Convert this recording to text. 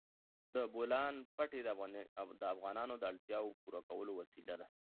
د بولان پټي د افغانانو د اړتیاوو د پوره کولو وسیله ده.